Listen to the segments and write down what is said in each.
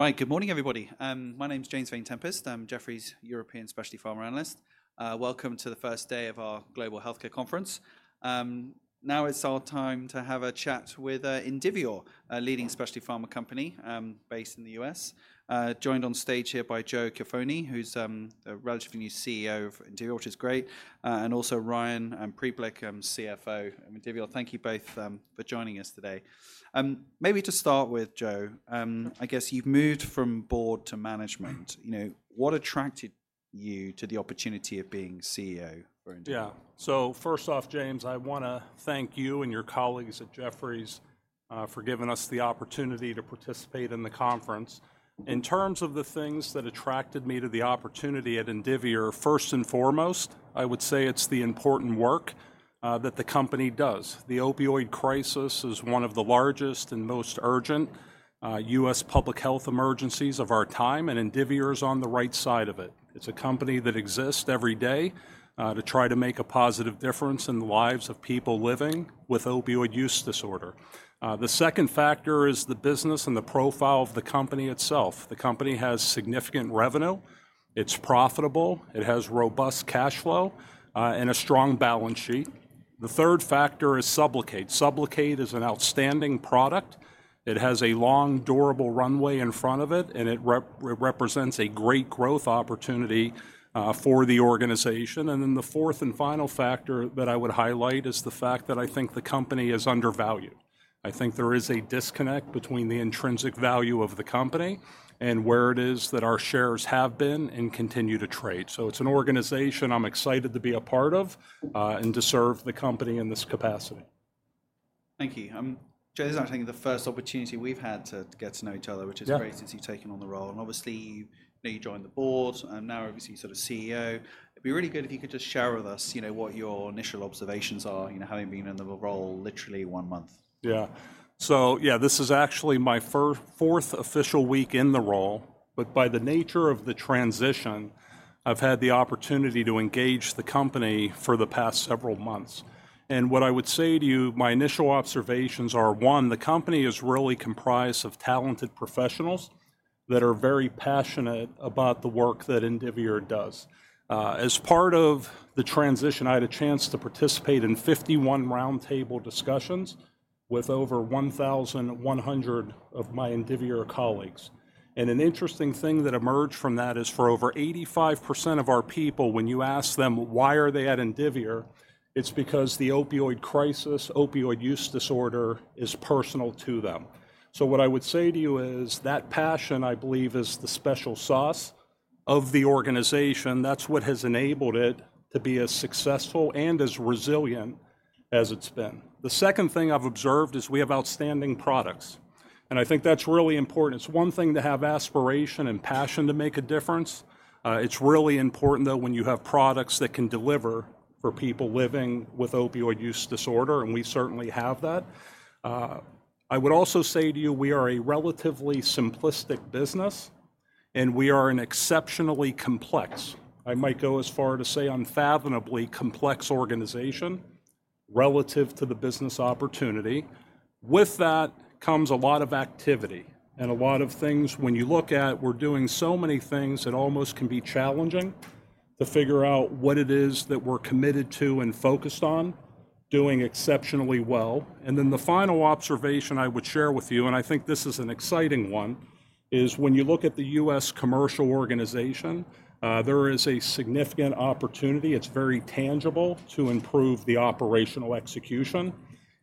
Hi, good morning, everybody. My name's James Vayne Tempest. I'm Jefferies' European Specialty Pharma Analyst. Welcome to the first day of our Global Healthcare Conference. Now it's our time to have a chat with Indivior, a leading specialty pharma company based in the U.S., joined on stage here by Joe Ciaffoni, who's a relatively new CEO of Indivior, which is great, and also Ryan Preblick, CFO of Indivior. Thank you both for joining us today. Maybe to start with, Joe, I guess you've moved from board to management. What attracted you to the opportunity of being CEO for Indivior? Yeah, so first off, James, I want to thank you and your colleagues at Jefferies for giving us the opportunity to participate in the conference. In terms of the things that attracted me to the opportunity at Indivior, first and foremost, I would say it's the important work that the company does. The opioid crisis is one of the largest and most urgent U.S. public health emergencies of our time, and Indivior is on the right side of it. It's a company that exists every day to try to make a positive difference in the lives of people living with opioid use disorder. The second factor is the business and the profile of the company itself. The company has significant revenue. It's profitable. It has robust cash flow and a strong balance sheet. The third factor is Sublocade. Sublocade is an outstanding product. It has a long, durable runway in front of it, and it represents a great growth opportunity for the organization. The fourth and final factor that I would highlight is the fact that I think the company is undervalued. I think there is a disconnect between the intrinsic value of the company and where it is that our shares have been and continue to trade. It is an organization I'm excited to be a part of and to serve the company in this capacity. Thank you. Joe, this is actually the first opportunity we've had to get to know each other, which is great since you've taken on the role. Obviously, you joined the board and now obviously you're sort of CEO. It'd be really good if you could just share with us what your initial observations are, having been in the role literally one month. Yeah, so yeah, this is actually my fourth official week in the role, but by the nature of the transition, I've had the opportunity to engage the company for the past several months. What I would say to you, my initial observations are, one, the company is really comprised of talented professionals that are very passionate about the work that Indivior does. As part of the transition, I had a chance to participate in 51 roundtable discussions with over 1,100 of my Indivior colleagues. An interesting thing that emerged from that is for over 85% of our people, when you ask them why are they at Indivior, it's because the opioid crisis, opioid use disorder, is personal to them. What I would say to you is that passion, I believe, is the special sauce of the organization. That's what has enabled it to be as successful and as resilient as it's been. The second thing I've observed is we have outstanding products, and I think that's really important. It's one thing to have aspiration and passion to make a difference. It's really important, though, when you have products that can deliver for people living with opioid use disorder, and we certainly have that. I would also say to you, we are a relatively simplistic business, and we are an exceptionally complex, I might go as far to say unfathomably complex organization relative to the business opportunity. With that comes a lot of activity and a lot of things when you look at, we're doing so many things that almost can be challenging to figure out what it is that we're committed to and focused on doing exceptionally well. The final observation I would share with you, and I think this is an exciting one, is when you look at the US Commercial Organization, there is a significant opportunity. It is very tangible to improve the operational execution.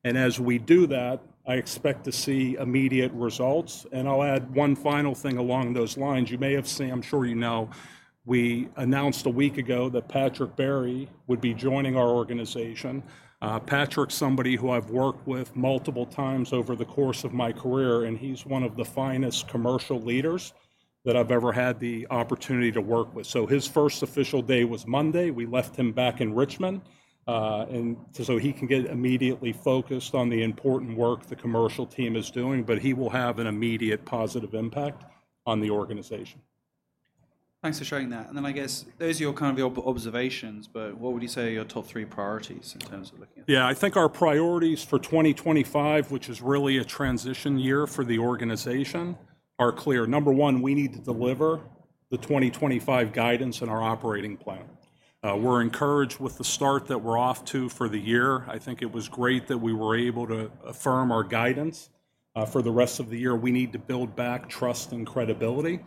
As we do that, I expect to see immediate results. I will add one final thing along those lines. You may have seen, I am sure you know, we announced a week ago that Patrick Barry would be joining our organization. Patrick is somebody who I have worked with multiple times over the course of my career, and he is one of the finest commercial leaders that I have ever had the opportunity to work with. His first official day was Monday. We left him back in Richmond so he can get immediately focused on the important work the commercial team is doing, but he will have an immediate positive impact on the organization. Thanks for sharing that. I guess those are your kind of your observations, but what would you say are your top three priorities in terms of looking at? Yeah, I think our priorities for 2025, which is really a transition year for the organization, are clear. Number one, we need to deliver the 2025 guidance and our operating plan. We're encouraged with the start that we're off to for the year. I think it was great that we were able to affirm our guidance for the rest of the year. We need to build back trust and credibility.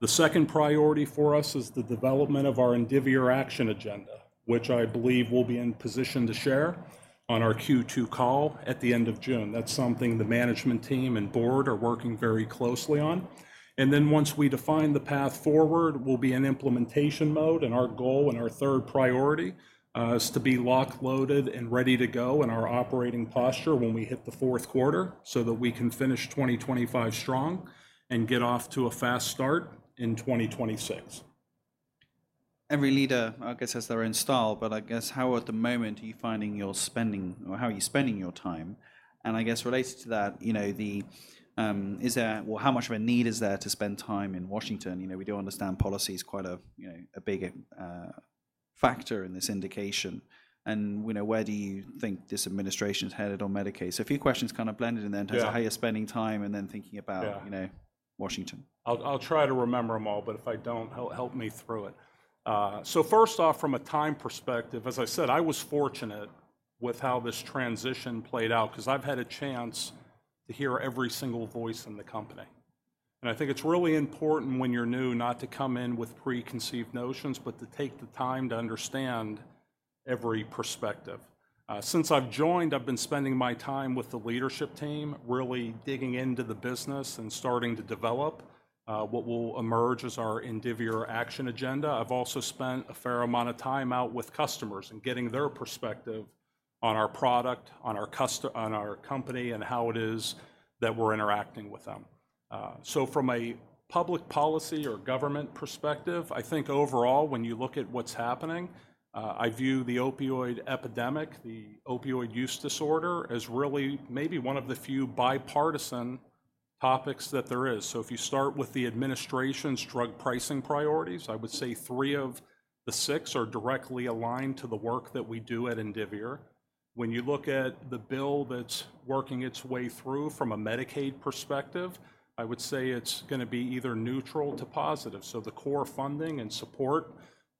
The second priority for us is the development of our Indivior action agenda, which I believe we'll be in position to share on our Q2 call at the end of June. That is something the management team and board are working very closely on. Once we define the path forward, we'll be in implementation mode. Our goal and our third priority is to be lock-loaded and ready to go in our operating posture when we hit the fourth quarter so that we can finish 2025 strong and get off to a fast start in 2026. Every leader, I guess, has their own style, but I guess how at the moment are you finding your spending or how are you spending your time? I guess related to that, is there, well, how much of a need is there to spend time in Washington? We do understand policy is quite a big factor in this indication. Where do you think this administration is headed on Medicaid? A few questions kind of blended in there in terms of how you're spending time and then thinking about Washington. I'll try to remember them all, but if I don't, help me through it. First off, from a time perspective, as I said, I was fortunate with how this transition played out because I've had a chance to hear every single voice in the company. I think it's really important when you're new not to come in with preconceived notions, but to take the time to understand every perspective. Since I've joined, I've been spending my time with the leadership team, really digging into the business and starting to develop what will emerge as our Indivior action agenda. I've also spent a fair amount of time out with customers and getting their perspective on our product, on our company, and how it is that we're interacting with them. From a public policy or government perspective, I think overall, when you look at what's happening, I view the opioid epidemic, the opioid use disorder, as really maybe one of the few bipartisan topics that there is. If you start with the administration's drug pricing priorities, I would say three of the six are directly aligned to the work that we do at Indivior. When you look at the bill that's working its way through from a Medicaid perspective, I would say it's going to be either neutral to positive. The core funding and support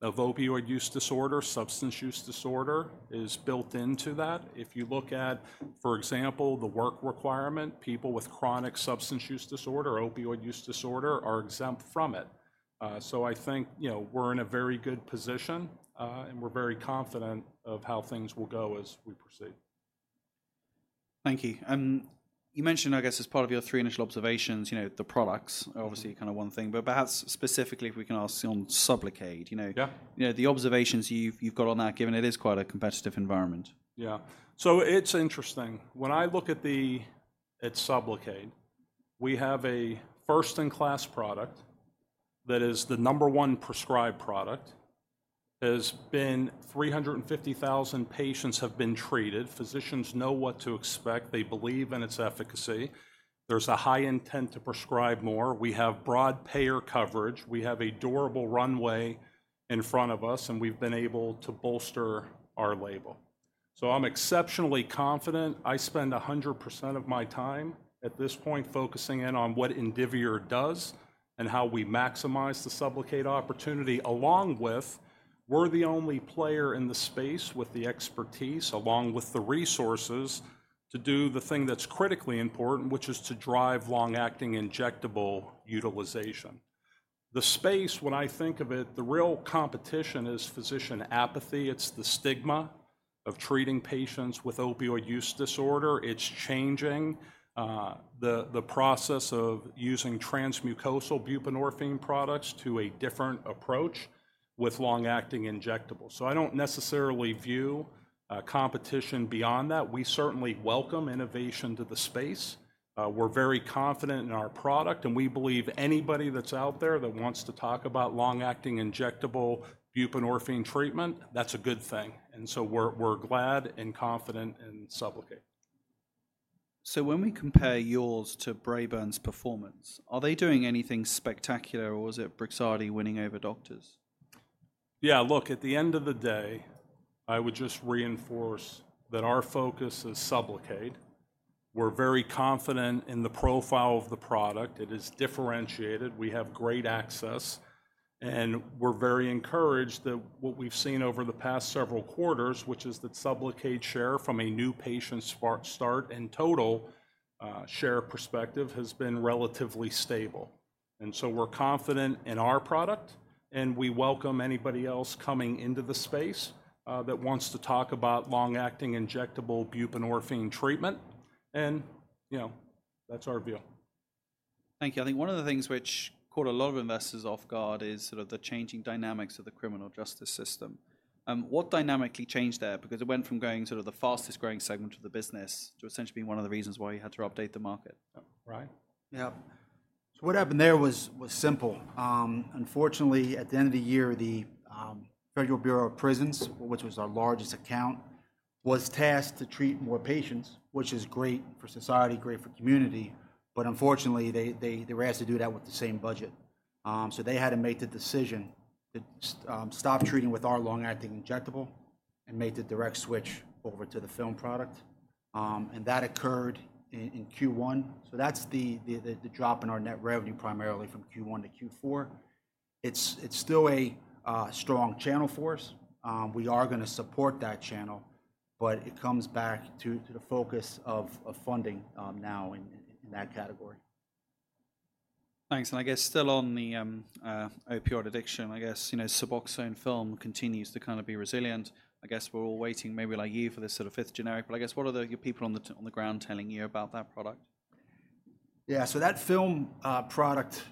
of opioid use disorder, substance use disorder, is built into that. If you look at, for example, the work requirement, people with chronic substance use disorder, opioid use disorder, are exempt from it. I think we're in a very good position and we're very confident of how things will go as we proceed. Thank you. You mentioned, I guess, as part of your three initial observations, the products, obviously kind of one thing, but perhaps specifically if we can ask on Sublocade, the observations you've got on that, given it is quite a competitive environment. Yeah, so it's interesting. When I look at Sublocade, we have a first-in-class product that is the number one prescribed product. Has been 350,000 patients have been treated. Physicians know what to expect. They believe in its efficacy. There's a high intent to prescribe more. We have broad payer coverage. We have a durable runway in front of us, and we've been able to bolster our label. So I'm exceptionally confident. I spend 100% of my time at this point focusing in on what Indivior does and how we maximize the Sublocade opportunity, along with we're the only player in the space with the expertise, along with the resources to do the thing that's critically important, which is to drive long-acting injectable utilization. The space, when I think of it, the real competition is physician apathy. It's the stigma of treating patients with opioid use disorder. It's changing the process of using transmucosal buprenorphine products to a different approach with long-acting injectables. I don't necessarily view competition beyond that. We certainly welcome innovation to the space. We're very confident in our product, and we believe anybody that's out there that wants to talk about long-acting injectable buprenorphine treatment, that's a good thing. We're glad and confident in Sublocade. When we compare yours to Braeburn's performance, are they doing anything spectacular or is it Braeburn winning over doctors? Yeah, look, at the end of the day, I would just reinforce that our focus is Sublocade. We're very confident in the profile of the product. It is differentiated. We have great access, and we're very encouraged that what we've seen over the past several quarters, which is that Sublocade share from a new patient start and total share perspective has been relatively stable. We are confident in our product, and we welcome anybody else coming into the space that wants to talk about long-acting injectable buprenorphine treatment. That is our view. Thank you. I think one of the things which caught a lot of investors off guard is sort of the changing dynamics of the criminal justice system. What dynamically changed there? Because it went from going sort of the fastest growing segment of the business to essentially being one of the reasons why you had to update the market? Right. Yeah. What happened there was simple. Unfortunately, at the end of the year, the Federal Bureau of Prisons, which was our largest account, was tasked to treat more patients, which is great for society, great for community, but unfortunately, they were asked to do that with the same budget. They had to make the decision to stop treating with our long-acting injectable and make the direct switch over to the film product. That occurred in Q1. That is the drop in our net revenue primarily from Q1-Q4. It is still a strong channel for us. We are going to support that channel, but it comes back to the focus of funding now in that category. Thanks. I guess still on the opioid addiction, I guess Suboxone Film continues to kind of be resilient. I guess we're all waiting maybe like you for this sort of fifth generic, but I guess what are the people on the ground telling you about that product? Yeah, so that film product,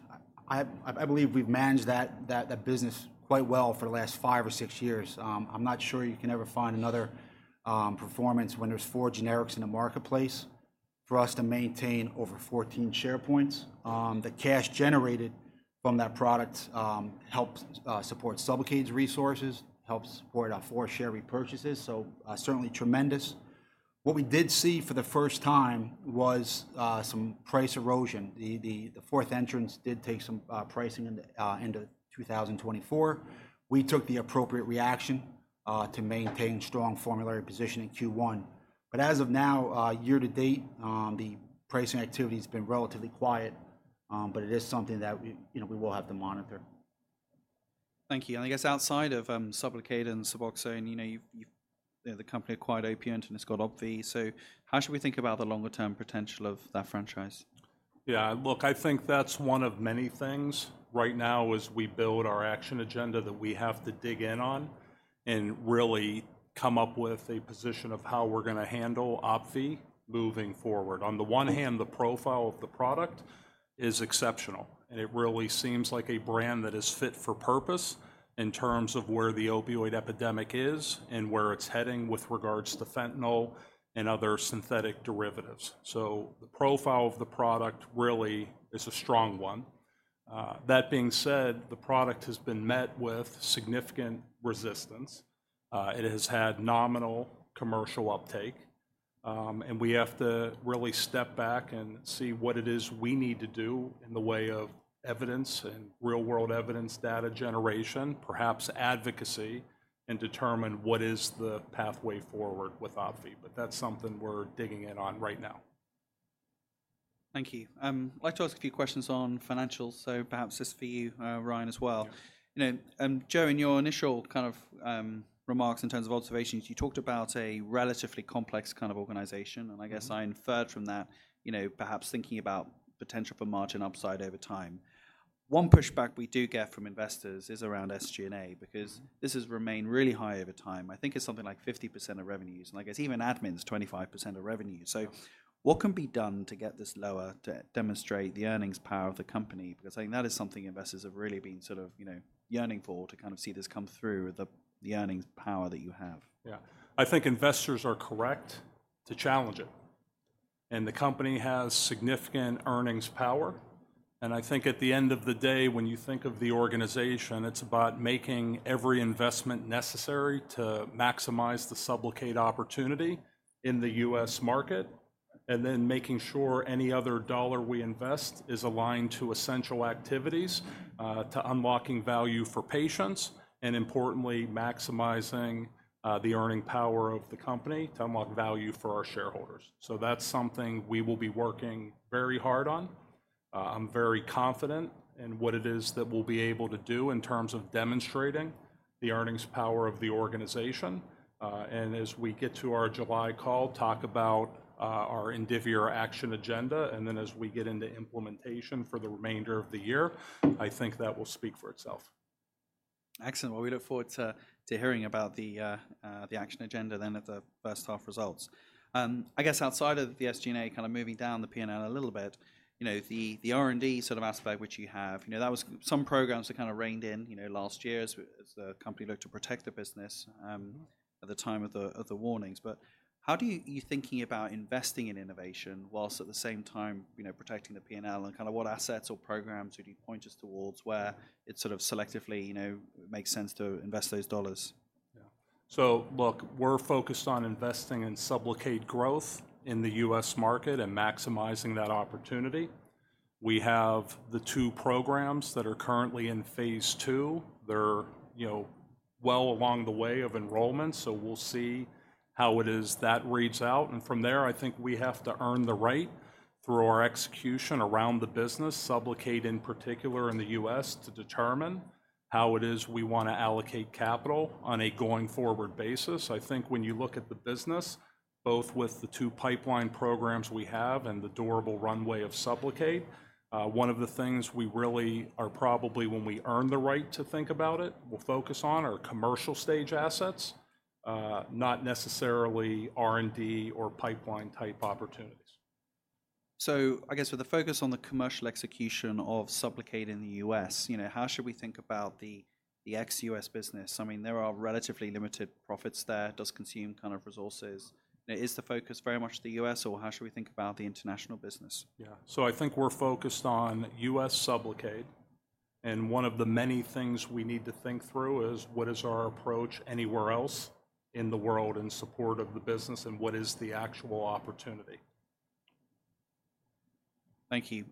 I believe we've managed that business quite well for the last five or six years. I'm not sure you can ever find another performance when there's four generics in the marketplace for us to maintain over 14 share points. The cash generated from that product helps support Sublocade resources, helps support our four share repurchases. Certainly tremendous. What we did see for the first time was some price erosion. The fourth entrants did take some pricing into 2024. We took the appropriate reaction to maintain strong formulary position in Q1. As of now, year to date, the pricing activity has been relatively quiet, but it is something that we will have to monitor. Thank you. I guess outside of Sublocade and Suboxone, the company acquired Opiant and it has got Opvee. How should we think about the longer-term potential of that franchise? Yeah, look, I think that's one of many things right now as we build our action agenda that we have to dig in on and really come up with a position of how we're going to handle Opvee moving forward. On the one hand, the profile of the product is exceptional, and it really seems like a brand that is fit for purpose in terms of where the opioid epidemic is and where it's heading with regards to fentanyl and other synthetic derivatives. The profile of the product really is a strong one. That being said, the product has been met with significant resistance. It has had nominal commercial uptake, and we have to really step back and see what it is we need to do in the way of evidence and real-world evidence, data generation, perhaps advocacy and determine what is the pathway forward with Opvee, but that's something we're digging in on right now. Thank you. I'd like to ask a few questions on financials, so perhaps this for you, Ryan, as well. Joe, in your initial kind of remarks in terms of observations, you talked about a relatively complex kind of organization, and I guess I inferred from that perhaps thinking about potential for margin upside over time. One pushback we do get from investors is around SG&A because this has remained really high over time. I think it's something like 50% of revenues, and I guess even admin is 25% of revenues. What can be done to get this lower to demonstrate the earnings power of the company? I think that is something investors have really been sort of yearning for, to kind of see this come through with the earnings power that you have. Yeah, I think investors are correct to challenge it. The company has significant earnings power. I think at the end of the day, when you think of the organization, it's about making every investment necessary to maximize the Sublocade opportunity in the US market, and then making sure any other dollar we invest is aligned to essential activities to unlocking value for patients and, importantly, maximizing the earning power of the company to unlock value for our shareholders. That's something we will be working very hard on. I'm very confident in what it is that we'll be able to do in terms of demonstrating the earnings power of the organization. As we get to our July call, talk about our Indivior action agenda, and then as we get into implementation for the remainder of the year, I think that will speak for itself. Excellent. We look forward to hearing about the action agenda then at the first half results. I guess outside of the SG&A kind of moving down the P&L a little bit, the R&D sort of aspect which you have, there were some programs that kind of reined in last year as the company looked to protect the business at the time of the warnings. How are you thinking about investing in innovation whilst at the same time protecting the P&L and kind of what assets or programs would you point us towards where it sort of selectively makes sense to invest those dollars? Yeah. Look, we're focused on investing in Sublocade growth in the US market and maximizing that opportunity. We have the two programs that are currently in phase II. They're well along the way of enrollment, so we'll see how it is that reads out. From there, I think we have to earn the right through our execution around the business, Sublocade in particular in the U.S., to determine how it is we want to allocate capital on a going forward basis. I think when you look at the business, both with the two pipeline programs we have and the durable runway of Sublocade, one of the things we really are probably, when we earn the right to think about it, we'll focus on are commercial stage assets, not necessarily R&D or pipeline type opportunities. I guess with the focus on the commercial execution of Sublocade in the U.S., how should we think about the ex-U.S. business? I mean, there are relatively limited profits there. It does consume kind of resources. Is the focus very much the U.S., or how should we think about the international business? Yeah. I think we're focused on US Sublocade, and one of the many things we need to think through is what is our approach anywhere else in the world in support of the business and what is the actual opportunity. Thank you.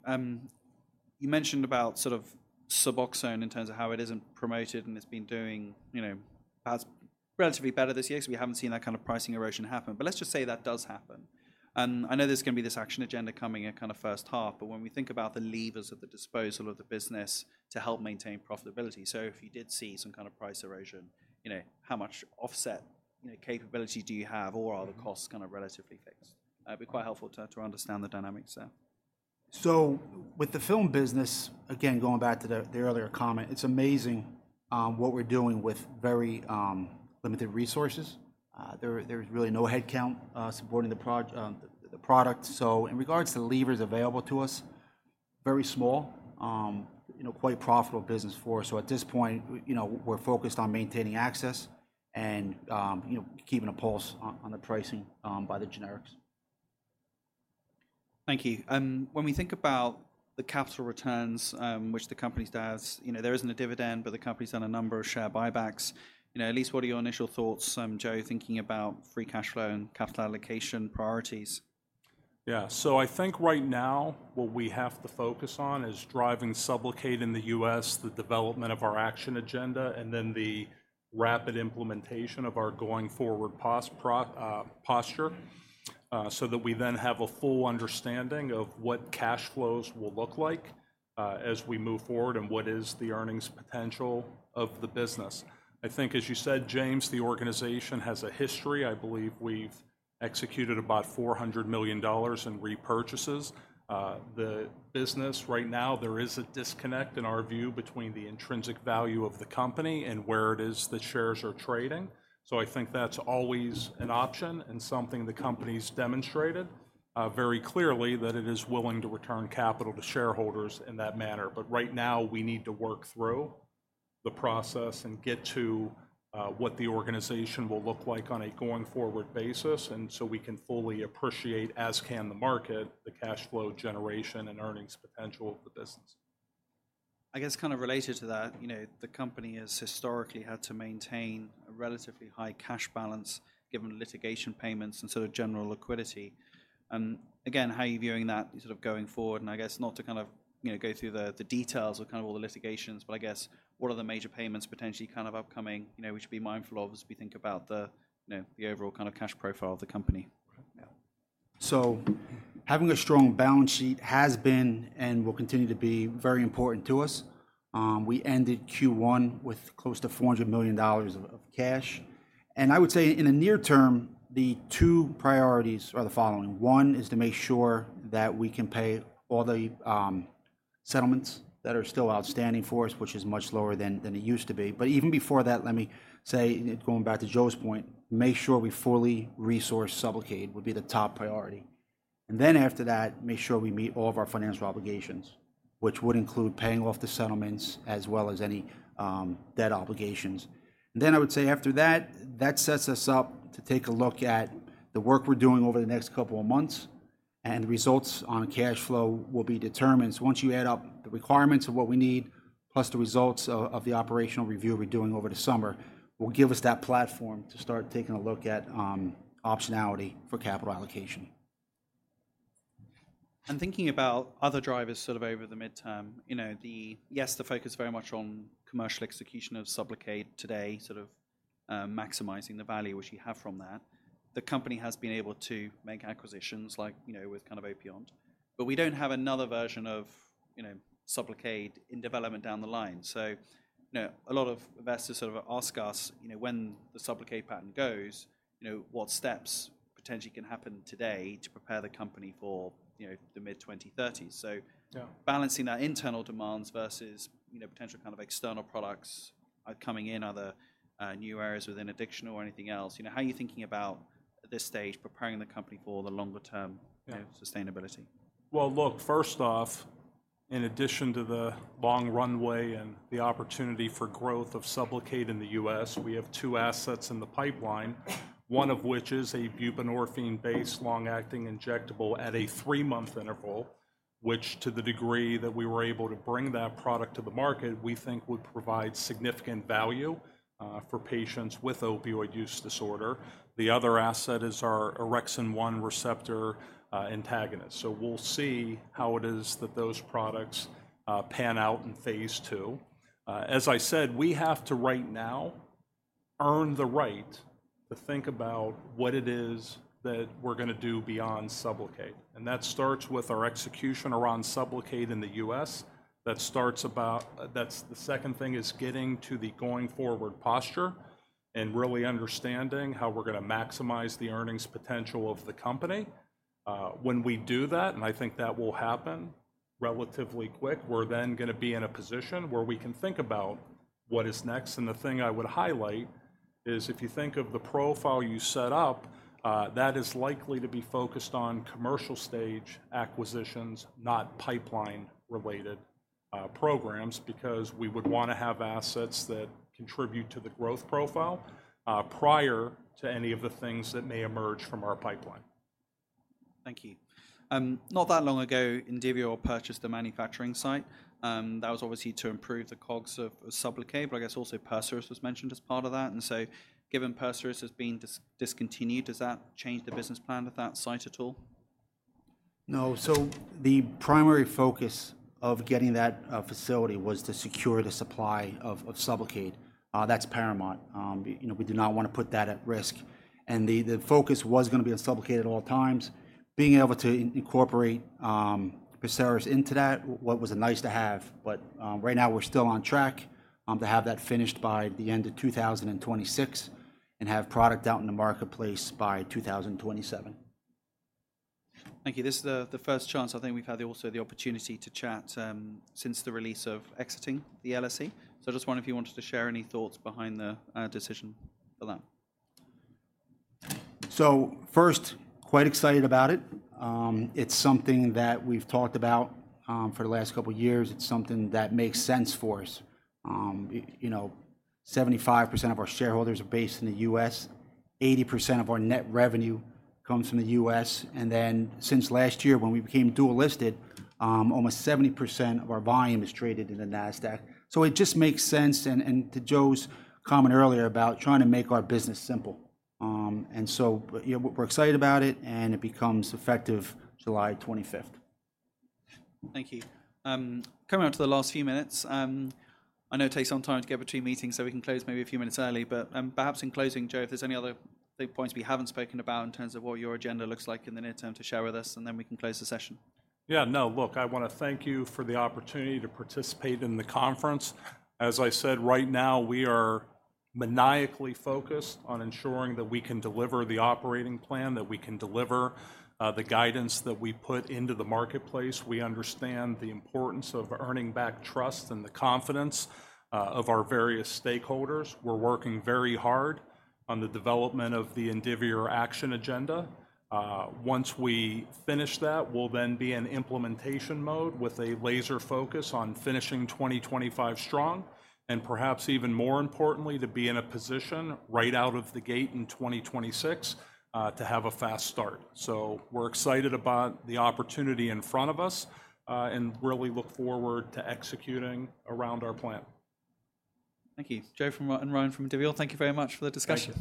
You mentioned about sort of Suboxone in terms of how it isn't promoted and it's been doing relatively better this year, so we haven't seen that kind of pricing erosion happen. Let's just say that does happen. I know there's going to be this action agenda coming in kind of first half, but when we think about the levers at the disposal of the business to help maintain profitability, if you did see some kind of price erosion, how much offset capability do you have or are the costs kind of relatively fixed? It'd be quite helpful to understand the dynamics there. With the film business, again, going back to the earlier comment, it's amazing what we're doing with very limited resources. There's really no headcount supporting the product. In regards to levers available to us, very small, quite profitable business for us. At this point, we're focused on maintaining access and keeping a pulse on the pricing by the generics. Thank you. When we think about the capital returns, which the company does, there isn't a dividend, but the company's done a number of share buybacks. At least what are your initial thoughts, Joe, thinking about free cash flow and capital allocation priorities? Yeah. I think right now what we have to focus on is driving Sublocade in the U.S., the development of our action agenda, and then the rapid implementation of our going forward posture so that we then have a full understanding of what cash flows will look like as we move forward and what is the earnings potential of the business. I think, as you said, James, the organization has a history. I believe we've executed about $400 million in repurchases. The business right now, there is a disconnect in our view between the intrinsic value of the company and where the shares are trading. I think that's always an option and something the company has demonstrated very clearly that it is willing to return capital to shareholders in that manner. Right now, we need to work through the process and get to what the organization will look like on a going forward basis so we can fully appreciate, as can the market, the cash flow generation and earnings potential of the business. I guess kind of related to that, the company has historically had to maintain a relatively high cash balance given litigation payments and sort of general liquidity. Again, how are you viewing that sort of going forward? I guess not to kind of go through the details of kind of all the litigations, but I guess what are the major payments potentially kind of upcoming we should be mindful of as we think about the overall kind of cash profile of the company? Having a strong balance sheet has been and will continue to be very important to us. We ended Q1 with close to $400 million of cash. I would say in the near term, the two priorities are the following. One is to make sure that we can pay all the settlements that are still outstanding for us, which is much lower than it used to be. Even before that, let me say, going back to Joe's point, make sure we fully resource Sublocade would be the top priority. After that, make sure we meet all of our financial obligations, which would include paying off the settlements as well as any debt obligations. I would say after that, that sets us up to take a look at the work we're doing over the next couple of months, and the results on cash flow will be determined. Once you add up the requirements of what we need, plus the results of the operational review we're doing over the summer, will give us that platform to start taking a look at optionality for capital allocation. Thinking about other drivers sort of over the midterm, yes, the focus very much on commercial execution of Sublocade today, sort of maximizing the value which you have from that. The company has been able to make acquisitions like with kind of Opiant, but we do not have another version of Sublocade in development down the line. A lot of investors sort of ask us when the Sublocade patent goes, what steps potentially can happen today to prepare the company for the mid-2030s. Balancing that internal demands versus potential kind of external products coming in, other new areas within addiction or anything else. How are you thinking about at this stage preparing the company for the longer-term sustainability? First off, in addition to the long runway and the opportunity for growth of Sublocade in the U.S., we have two assets in the pipeline, one of which is a buprenorphine-based long-acting injectable at a three-month interval, which to the degree that we were able to bring that product to the market, we think would provide significant value for patients with opioid use disorder. The other asset is our orexin-1 receptor antagonist. We'll see how it is that those products pan out in phase II. As I said, we have to right now earn the right to think about what it is that we're going to do beyond Sublocade. That starts with our execution around Sublocade in the U.S. The second thing is getting to the going forward posture and really understanding how we're going to maximize the earnings potential of the company. When we do that, and I think that will happen relatively quick, we're then going to be in a position where we can think about what is next. The thing I would highlight is if you think of the profile you set up, that is likely to be focused on commercial stage acquisitions, not pipeline-related programs, because we would want to have assets that contribute to the growth profile prior to any of the things that may emerge from our pipeline. Thank you. Not that long ago, Indivior purchased a manufacturing site. That was obviously to improve the COGS of Sublocade, but I guess also Perseris was mentioned as part of that. Given Perseris has been discontinued, does that change the business plan of that site at all? No. The primary focus of getting that facility was to secure the supply of Sublocade. That is paramount. We do not want to put that at risk. The focus was going to be on Sublocade at all times. Being able to incorporate Perseris into that was a nice to have, but right now we are still on track to have that finished by the end of 2026 and have product out in the marketplace by 2027. Thank you. This is the first chance I think we've had also the opportunity to chat since the release of exiting the LSE. I just wondered if you wanted to share any thoughts behind the decision for that? First, quite excited about it. It's something that we've talked about for the last couple of years. It's something that makes sense for us. 75% of our shareholders are based in the U.S. 80% of our net revenue comes from the U.S. Then since last year when we became dual-listed, almost 70% of our volume is traded in NASDAQ. It just makes sense. To Joe's comment earlier about trying to make our business simple. We're excited about it, and it becomes effective July 25th. Thank you. Coming up to the last few minutes. I know it takes some time to get between meetings, so we can close maybe a few minutes early, but perhaps in closing, Joe, if there's any other points we haven't spoken about in terms of what your agenda looks like in the near term to share with us, and then we can close the session. Yeah. No, look, I want to thank you for the opportunity to participate in the conference. As I said, right now we are maniacally focused on ensuring that we can deliver the operating plan, that we can deliver the guidance that we put into the marketplace. We understand the importance of earning back trust and the confidence of our various stakeholders. We're working very hard on the development of the Indivior action agenda. Once we finish that, we'll then be in implementation mode with a laser focus on finishing 2025 strong and perhaps even more importantly, to be in a position right out of the gate in 2026 to have a fast start. We are excited about the opportunity in front of us and really look forward to executing around our plan. Thank you. Joe and Ryan from Indivior, thank you very much for the discussion.